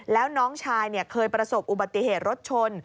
แล้วน้องชายเคยประสบอุบัติเหตุรถชน